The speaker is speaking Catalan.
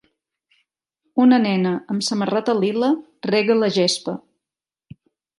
Una nena amb samarreta lila rega la gespa.